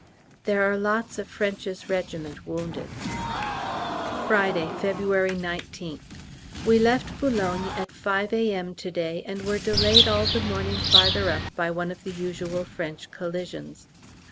There are lots of F.'s regiment wounded. Friday, February 19th. We left B. at 5 A.M. to day, and were delayed all the morning farther up by one of the usual French collisions.